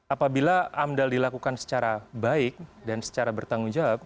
apabila amdal dilakukan secara baik dan secara bertanggung jawab